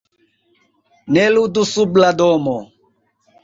"Ne ludu sub la domo!"